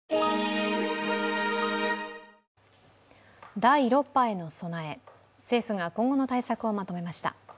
第６波への備え政府が今後の対策をまとめました。